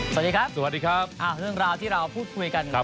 สวัสดีครับสวัสดีครับเรื่องราวที่เราพูดคุยกัน